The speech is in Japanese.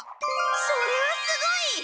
それはすごい！